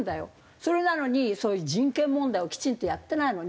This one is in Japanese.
それなのにそういう人権問題をきちんとやってないの。